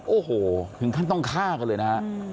โอ้โหถึงขั้นต้องฆ่ากันเลยนะฮะ